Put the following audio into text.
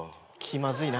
気まずい。